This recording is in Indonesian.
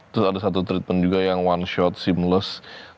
terus ada satu treatment juga yang one shot sim loss